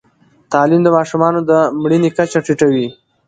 تعلیم د ماشومانو د مړینې کچه ټیټوي.